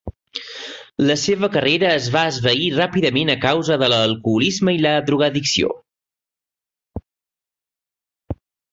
La seva carrera es va esvair ràpidament a causa de l'alcoholisme i la drogoaddicció.